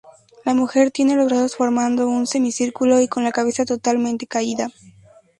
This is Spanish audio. La mujer tiene los brazos formando un semicírculo y con la cabeza totalmente caída.